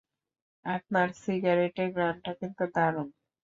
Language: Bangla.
আপনার সিগারেটের ঘ্রাণটা কিন্তু দারুণ।